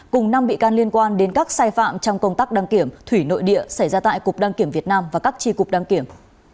cùng năm bị can liên quan đến các sai phạm trong công tác đăng kiểm thủy nội địa xảy ra tại cục đăng kiểm việt nam và các tri cục đăng kiểm